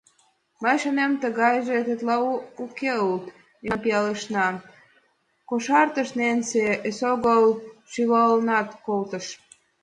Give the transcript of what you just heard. Мый ӱшанем, тыгайже тетла уке улыт... мемнан пиалешна! — кошартыш Ненси, эсогыл шӱвалынак колтыш.